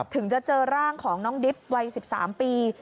ถึงจะเจอร่างของน้องดิบวัย๑๓ปี